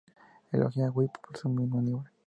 Elogia a Whip por su maniobra.